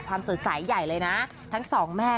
สดใสใหญ่เลยนะทั้งสองแม่